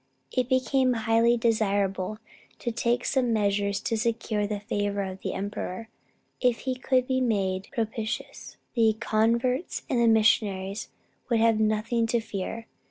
It became highly desirable to take some measures to secure the favor of the emperor. If he could be made propitious, the converts and the missionaries would have nothing to fear.